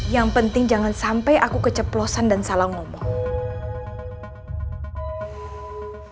yang penting jangan sampai aku keceplosan dan salah ngomong